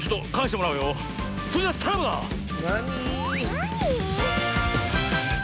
なに？